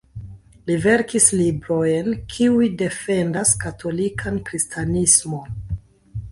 Li verkis librojn, kiuj defendas katolikan kristanismon.